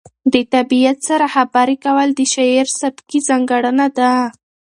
د طبیعت سره خبرې کول د شاعر سبکي ځانګړنه ده.